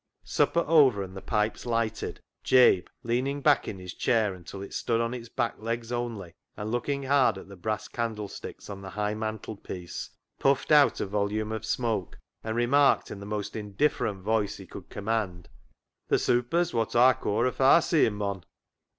Supper over and the pipes lighted, Jabe, leaning back in his chair until it stood on its back legs only, and looking hard at the brass candlesticks on the high mantelpiece, BILLY BOTCH 47 puffed out a volume of smoke and remarked in the most indifferent voice he could com mand —•" Th' ' super's ' wot Aw caw a far seein' mon."